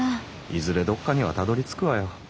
いずれどっかにはたどりつくわよ。